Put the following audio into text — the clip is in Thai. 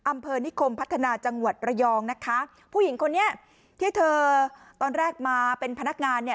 อำเภอนิคมพัฒนาจังหวัดระยองนะคะผู้หญิงคนนี้ที่เธอตอนแรกมาเป็นพนักงานเนี่ย